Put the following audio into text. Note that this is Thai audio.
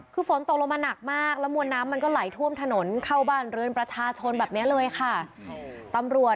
คือฝนตกลงมาหนักมากแล้วมวลน้ำมันก็ไหลท่วมถนนเข้าบ้านเรือนประชาชนแบบนี้เลยค่ะ